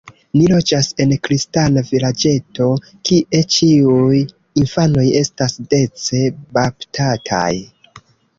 Ni loĝas en kristana vilaĝeto, kie ĉiuj infanoj estas dece baptataj.